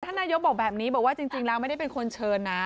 นายกบอกแบบนี้บอกว่าจริงแล้วไม่ได้เป็นคนเชิญนะ